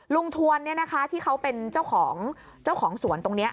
ลุงทวนที่เขาเป็นเจ้าของสวนตรงนี้